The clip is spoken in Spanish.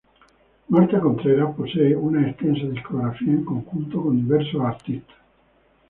Marta Contreras posee una extensa discografía en conjunto con diversos artistas.